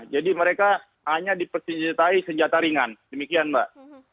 jadi mereka hanya dipercayai senjata ringan demikian mbak